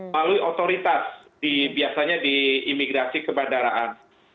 melalui otoritas biasanya di imigrasi ke bandaraan